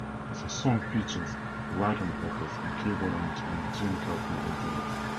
The song features Wright on vocals and keyboards and Jim Keltner on drums.